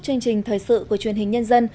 chương trình thời sự của truyền hình hồng kông